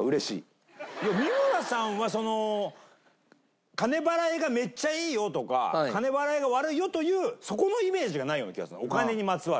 三村さんはその金払いがめっちゃいいよとか金払いが悪いよというそこのイメージがないような気がするお金にまつわる。